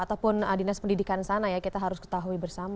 ataupun dinas pendidikan sana ya kita harus ketahui bersama